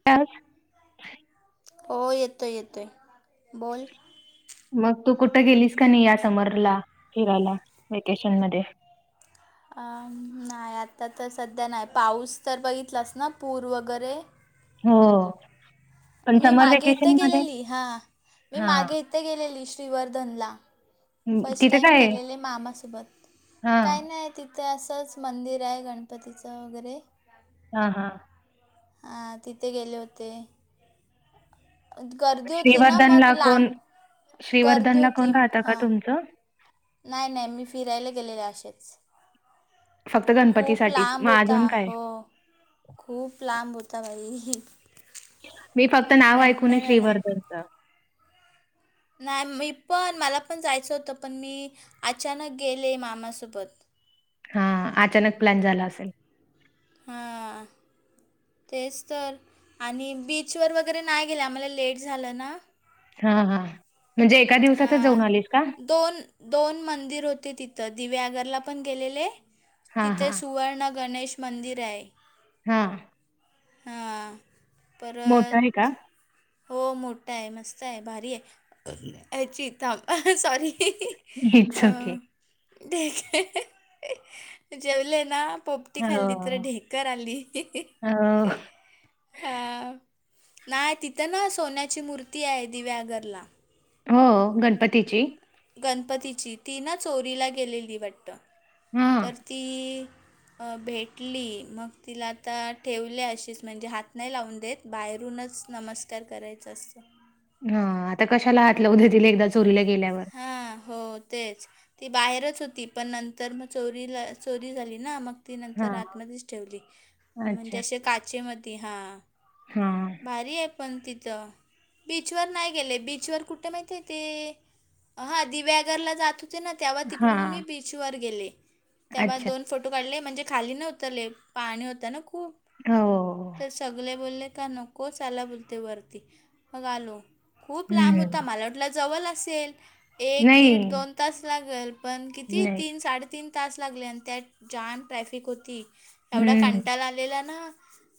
[unintelligible] हो येतोय येतोय बोल. मग तू कुठं गेलीस का नाही या समरला फिरायला वेकेशन मध्ये अ नाही आता तर सध्या नाही पाऊस तर बघितलास ना पूर वगैरे हो. पण मी समर मागे इथ वेकेशन मध्ये गेलेली हा मी हा मागे इथ गेलेली श्रीवर्धनला. फर्स्ट तिथे टाइम काय आहे गेलेले मामासोबत हा काय नाही ति ते असंच मंदिर आहे गणपतीचं वगैरे. हा हा. हा तिथे गेले होते. गर्दी होती ना मग श्रीवर्धनला कोण लांब गर्दी श्रीवर्धनला होती कोण राहतं का हा. तुमचं नाही नाही मी फिरायला गेलेले अशेच. फक्त खूप गणपतीसाठीच लांब मग होता अजून काय हो खूप लांब होता भाई. मी फक्त नाव ऐकूनाय आला श्रीवर्धनचं. नाही मी पण मला पण जायचं होतं पण मी अचानक गेले मामासोबत. हा अचानक प्लॅन झाला असेल. हा. तेच तर आणि बीचवर वगैरे नाही गेलं आम्हाला लेट झालं ना. हा हा म्हणजे एका दिवसातच हां जाऊन आलीत का. दोन. दोन मंदिर होते तिथं दिव्यागरला पण गेलेले हा तिथ हा सुवर्ण गणेश मंदिराय. हा. हा मोठा आहे का परत हो मोठाय मस्ताय भारीय याची थांब सॉरी. It's okay. दे ज जेवले ना? पोपटी हो खाल्ली तर ढेकर आली. अ हा नाही तिथं ना सोन्याची मूर्ती आहे दिव्या घरला. हो गणपतीची. गणपतीची ती ना चोरीला गेलेली वाटत हा तर ती भेटली मग तिला आता ठेवले अशीच म्हणजे हात नाही लावून देत. बाहेरूनच नमस्कार करायचा असतं. हा आता कशाला हात लावू देतील एकदा चोरीला गेल्यावर. हा हो तेच. ती बाहेरच होती पण नंतर मग चोरीला चोरी झाली ना मग ती नंतर हां, आतमध्येच ठेवली अच्छा. म्हणजे अशे काचेमध्ये हां. हां, भारी एप. पण तिथं बीचवर नाही गेले बीचवर कुठ माहिती आहे ते. हा दिव्याघरला जात होते ना तेव्हा तिकडून मी हां, बीचवर गेले. तेव्हा अच्छा. दोन - - फोटो काढले म्हणजे खाली नव्हतले पाणी होतं ना खूप. हो. तर सगळे बोलले का नकोच आला बोलते वरती मग आलो. खूप लांब होता हं. माला वाटला जवल असेल. एक नाही, दीड, दोन तास लागल, पण किती? नाही. तीन साडेतीन तास लागले आन त्यात जाम ट्रॅफिक होती, एवढा हं. कंटाला आलेला ना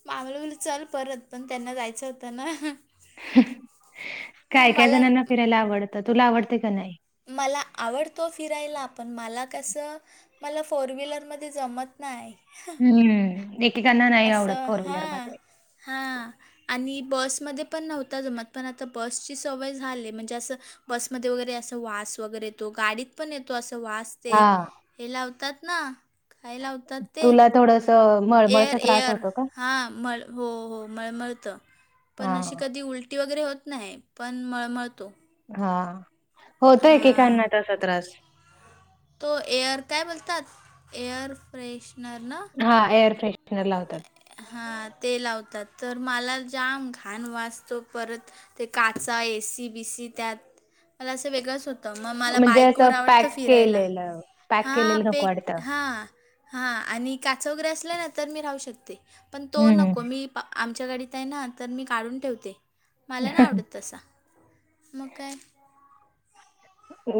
मागलं लं चल परत, पण त्यांना जायचं होतं ना. हं, मग काय-काय मला जणांना फिरायला आवडतं, तुला आवडते का नाय? मला आवडतो फिरायला, पण मला कसं मला फोर व्हीलरमध्ये जमत नाय. हम्म एकेकांना नाही आवडत असं फोर व्हीलर हां मध्ये. हां आणि बसमध्ये पण नव्हता जमत, पण आता बसची सवय झाली म्हणजे असं बसमध्ये वगैरे अस वास वगैरे येतो, गाडीत पण येतो असं वास ते, हां, हे लावतात ना? तुला थोडस अ एअर-एअर हा मळ, हो हो मळमळतं, पण अशी हां, कधी उलट टी वगैरे होत नाही, पण मळमळतो. हां होतो, हां एकेकांना तसा त्रास. तो एअर काय बोलतात, एअर फ्रेशनर ना? हा एअर फ्रेशनर लावतात. हां ते लावतात, तर मला जाम घाण वास तो परत ते काचा, एसी बीसी त्यात, मला असं वेगळच हो त, मग मला म्हणजे बाईक असं वर आवडत पॅक फिरायला, केलेलं पॅक हा केलेलं पे नको वाटतं. हा हां आणि काच वगैरे असल्याना, तर मी राहू शकते, पण तो हं. नको मी प आमच्या गाडीत आहे ना, तर मी काढून ठेवते, मला ना आवडत तसा. मग काय.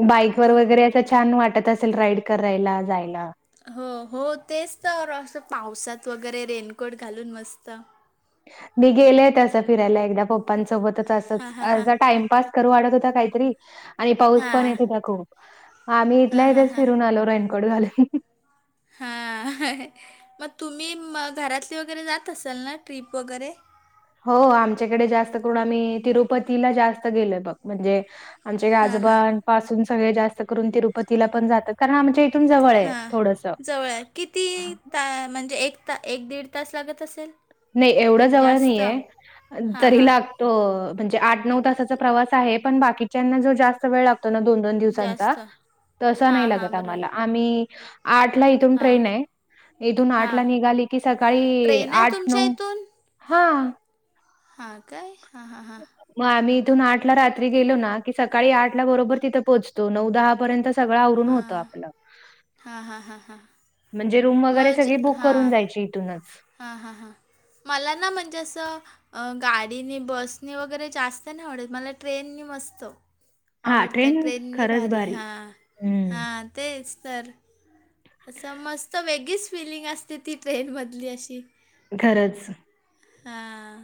बाईक वर मग वगैरे असं छान वाटत असेल, राईड करायला, जायला? हो हो तेच तर असं पावसात वगैरे रेनकोट घालून मस्त. मी गेले असं फिरायला एकदा पप्पांसोबतच हां असच, हां हां अर्धा टाइमपास तर वाढत होता काहीतरी आणि पाऊस पण हां येत होता खूप. आम्ही हां इथल्या हां इथेच हां फिरून आलो, रेनकोट घालून. हां हा, मग तुम्ही म घरातली वगैरे जात असाल ना, ट्रिप वगैरे? हो आमच्याकडे जास्त करून आम्ही तिरुपतीला जास्त गेलोय बघ, म्हणजे आमचे हां हां आजोबांन पासून सगळे जास्त करून तिरुपतीला पण जातात, कारण आमचे हां, जवळ किती ता म्हणजे एक ता एक दीड तास लागत असेल? नही एवढं जवळ जास्त नहीये, हां तरी हां लाग तो, म्हणजे आठ नऊ तासाचा प्रवास आहे, पण बाकीच्यांना जो जास्त वेळ लागतो ना, दोन दोन दिवसांचा, जास्त तसा हां नही हां लागत आम्हाला, बरोबर आम्ही आठ ला इथून हां ट्रेन ये, इथून हां आठला निघाली की सकाळी ट्रेन आहे आठ तुमच्या इथून हां. हां काय? हां हां हां मग आम्ही इथून आठ ला रात्री गेलो ना, की सकाळी आठ ला बरोबर तिथे पोहोचतो, नऊ दहापर्यंत सगळं आवरून हां होत आपलं. हां हां हां हां म्हणजे रूम वगैरे मग सगळी बुक करून हां जायची इथूनच. हां हां हां, मला ना म्हणजे असं अ गाडीनी बसनी वगैरे जास्त नही आवडत, मला ट्रेननी मस्त हां, आवडतं, ट्रेन ट्रेननी खरंच भारी, हां हं, हां तेच तर. असं मस्त वेगळीच फिलिंग असते, ती ट्रेनमधली अशी. खरंच हां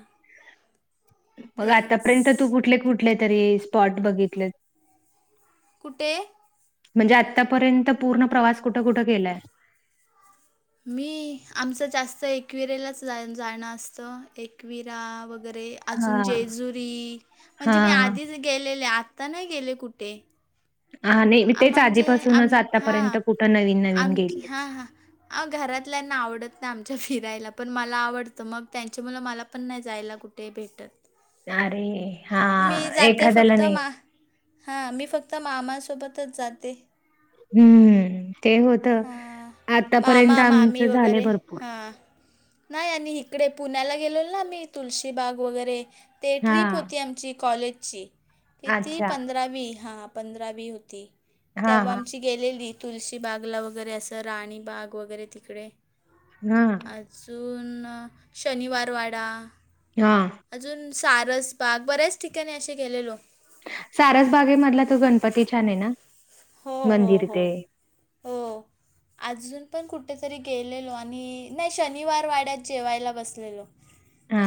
मंग आंतापर्यंत तेच तूं कुठले कुठले तरी स्पॉट बघितले कुठे म्हणजे आंतापर्यंत पूर्ण प्रवास कुठं कुठं केलाय मी आमचं जास्तं एकविरेलांच जां जाणं असतं एकविरा वगैरें अजूंन हां. जेजुरी म्हणजे मी हां. आधीच गेलेले आंत्ता नाहीं गेले कुंठे हां नाहीं म्हणजे आंम हां नवीन-नवीन आमचं हां गेलीयेस? हां अं घरातल्यांना आवडतं नाहीं आमच्यां फिरायंला पणं मलां आवडतं मंग त्यांच्या मुळं मलां पणं नाहीं जायंला कुठं नाहीं ते भेटतं अरे मी हां, जांते एखाद्याला फक्तं नाही मा हां मी फक्तं मामासोबतचं जांते हम्मं ते होतं आतांपर्यंत मामा आमचं झालं भरंपूर नाहीं आणि ईकडे पुण्यांला गेलो नां आम्हीं तुलशीबाग वगैरे ते ट्रीप हां, होती आमची कॉलेजंची किती अच्छा. पंधरावी हां पंधरावी होती हां, तेंव्हा हां. आमची गेलेली तुलशी बांगला वगैरें असं राणी बांग वगैरें तिकडे हां सुंन शनिवार वांडा हां अजूंन सारसबांग बऱ्यांच ठिकाणीं असे गेलेलो सारसबागे मधंला तो गणपती छान आहे नां हो हो मंदिर आहे ते [inaudible] [unintelligible] अजूंन पणं कुठेतरी गेलेलो आणि नाहीं शनिवार वाड्यांत जेवायंला बसलेलो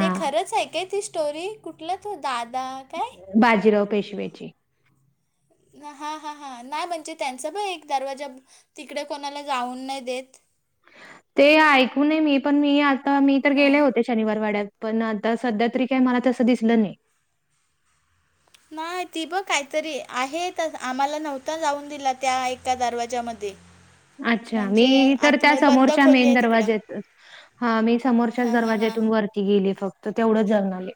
ते खरंच आहे कायं ती स्टोरी कुठंला तो दादा कायं बाजीराव पेशव्यांची हां हां हां नाहीं म्हणजे त्यांचां पणं एक दरवांजा तिकडे कोणांला जाऊंन नाहीं देतं ते ऐकू नये मी पणं मी आंता मी तरं गेले हां. होते शनिवार वाड्यांत पणं आंता संध्या तरी कांहीं मलां तसं दिसलं नाहीं नाहीं ती बघं कांहीतरी आहेतं आम्हांला नव्हतां जाऊंन दिला त्यां एकां दरवाजांमध्यें अच्छा मी तरं त्यां बंद समोरच्यां खोली मेन आहे तिकडं. दरवाजेत हां मी समोरच्यांच हां, हां, हां. दरवाज्यांतून वरती गेले फक्तं तेवढंच जाऊंन आले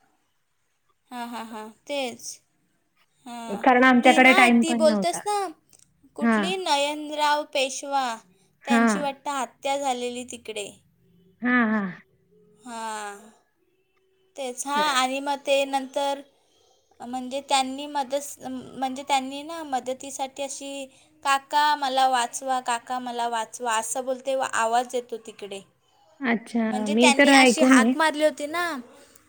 हां हां हां तेचं हां कारण ती आमच्याकडे नाहीं टाईम ती पण नव्हता. बोलतेस नां हां, कुठंली नयनराव पेशवा त्यांची हां, वाटतंत त्यां झालेली तिकडे हां हां हां तेचं हां आणि मंग ते नंतर म्हणजे त्यांनी मंदत म्हणजे त्यांनी नां मदतीसांठी अशी काका मलां वाचवां काका मलां वाचवां असं बोलते आवांज येतो तिकडे अच्छा, म्हणजे मी त्यांनी तर अशी ऐकू नये. हांक मारली होती नां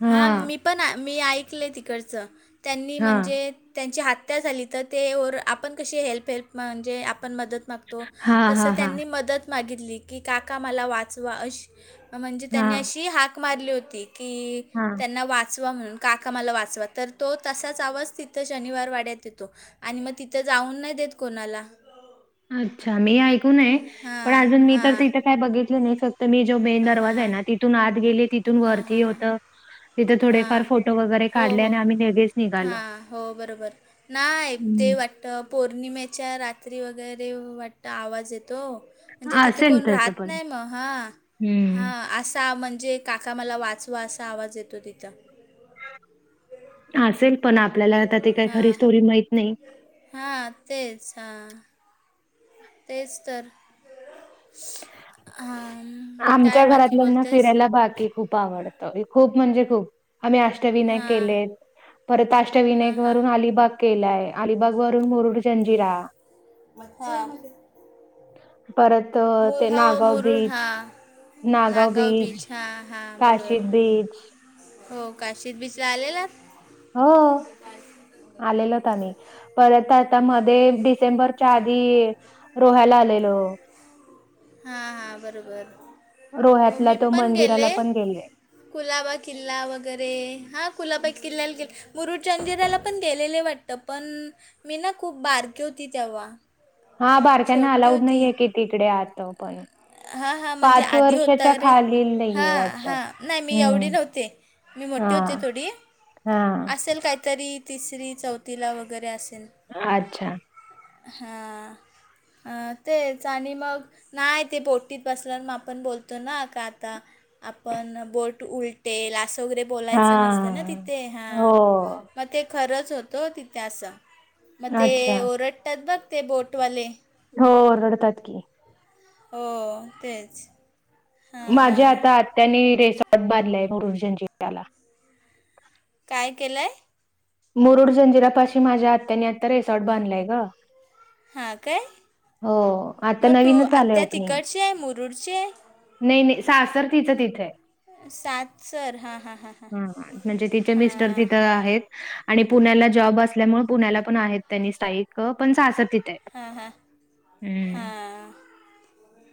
हां मी पणं मी ऐकलं तिकडचं त्यांनी हां, म्हणजे त्यांची हत्यां झाली तरं ते आपणं कशी हेल्प हेल्प म्हणजे आपणं मंदत मागतो तो हां, तसं हां, हां, त्यांनी मंदत मागितली की काका मलां वाचवां अशी म्हणजे त्यांनी हां, अशी हांक मारली होती की हां. त्यांना वाचवां म्हणूंन काका मलां वाचवां तरं तो तसांच आवांज तिथं शनिवार वाड्यांत येतो आणि मग तिथं जाऊन नाही देत कोणाला. अच्छा मी ऐकूनय पण हां अजून मी तर हां तिथ. काय बघितलं नाही फक्त मी जो मेन हां दरवाजा आहे हां ना तिथून आत गेले तिथून हां वरती हां हां हां होत. तिथे थोडेफार हां फोटो वगैरे हो काढले आणि हो आम्ही लगेच निघालो हां हो हम. तर पौर्णिमेच्या रात्री वगैरे वाटतं आवाज येतो. म्हणजे तिथे असेल कोण तसं राहत पण. नाही मग हा हं, हा असा म्हणजे. काका मला वाचवा असा आवाज येतो तिथं. असेल पण आपल्याला आता ते काही खरी स्टोरी माहित नाही. हा तेच हा. तेच तर. हां काय आमच्या बाकी घरातल्यांना बोलतेस फिरायला बाकी खूप आवडत. तरी खूप म्हणजे खूप आम्ही आष्ट ''--'' अष्टविनायक हां केलेत परत हां अष्टविनायक हां वरून अलिबाग. केलाय अलिबाग वरून मुरुड जंजिरा. हा परत अ, मुळ ते हवं नागाव मुरून बीच, हा. नागगाव बीच हा हा काशी बरोबर. बीच हो काशी बिचला आलेलात. हो आलेलोत आम्ही. परत आता मध्ये डिसेंबरच्या आधी रोहायला आलेलो. हा हा बरोबर. हो, रोह्यातला मी तो पण मंदिराला गेले पण गेले. कुलाबा किल्ला वगैरे हां कुलाबा किल्ल्याला गेलो. मुरुड जगिराला पणं गेलेले वाटतं पणं मी नां खूंप बारकी होती तेंव्हा. हां बारक्यांना अलाऊड नाहीये की तिकडे आतं पणं हां हां म्हणजे आधी होता रे खालील हां नाहीये वाटत. हां नाहीं मी एवढी हम्म. नव्हते. मी मोठीे होतें हा. थोडी हा. असेल कांहीतरी तिसरी चौथीलां वगैरें असेल. अच्छा. हां तेचं आणि मगं. नाहीं ते बोटीतं बसलं मगं आपणं बोलतो नां कां आता. आपणं बोट उलटील असं वगैरें. बोलायचं नसतं ना हा. तिथे हा हो. मग ते खरंच होतो तिथे असं. म ते अच्छा. ओरडतात बघं ते बोटवाले. हो ओरडतात की. हो तेचं. माझ्या आता आत्यांनी रेसॉर्ट बांधलेय गुरुजंजीटयांला. कायं केलंय. मुरुड जंजिरयांपाशी माझ्या आत्यांनी आता रिसॉर्ट बनलांय गं. हां काय हो आता मग तू नवीनचं आलंय आत्या ओपनिंग. तिकडची आहे मुरुडची आहे नाहीं नाहीं सासर तिचं तिथं आहे. सात सर'' हां ''हां'' हां'' हां''. म्हणजे तिचे मिस्टर तिथं आहेंत. आणि पुण्यांला जॉब असल्यामुळें पुण्यांला पणं आहेत त्यांनी स्थायिक पणं सासंर तिथे आहे. हां हां हम्म हां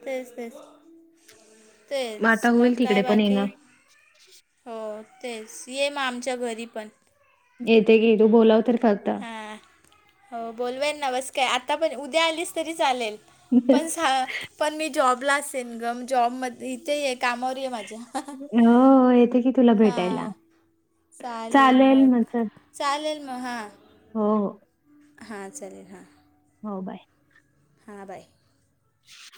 तेचं तेचं. मग आता तेचं मगं होईल कायं तिकडे पण बाकी. येणं. हो तेचं ये मगं आमच्यां घरी पणं. येते की तू बोलावं तरं फक्तं. हां हो बोलवेन नां बसं कायं आता पणं उद्या आलीसं तरी चालेल पणं सहा पणं मी जॉबला असेन गं म- जॉब मध्यें इथे ये कामांवर ये माझ्या. हो येते की तुला भेटायलां हां चालेल मं चल. चालेल मं हां. हो हो. हां चालेल हां. हो बाय. हां बाय. [inaudible]